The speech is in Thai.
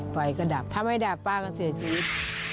ไฟก็ดับถ้าไม่ดับป้าก็เสียชีวิต